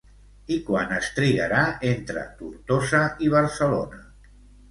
I quant es trigarà entre Tortosa i Barcelona?